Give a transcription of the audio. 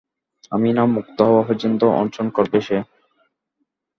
আমি না মুক্ত হওয়া পর্যন্ত অনশন করবে সে।